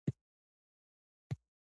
زموږ کلتوري ریښې ډېرې پخوانۍ دي.